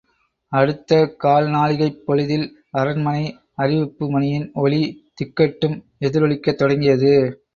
அடுத்த கால்நாழிகைப் பொழுதில், அரண்மனை அறிவிப்பு மணியின் ஒலி திக்கெட்டும் எதிரொலிக்கத் தொடங்கியது.